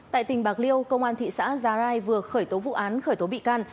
tại tỉnh bạc liêu công an thị xã già rai vừa khởi tố vụ án khởi tố bị can